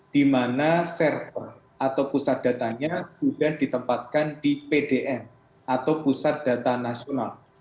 di mana server atau pusat datanya sudah ditempatkan di pdm atau pusat data nasional